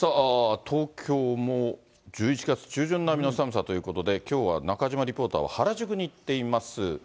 東京も１１月中旬並みの寒さということで、きょうは中島リポーターは原宿に行っています。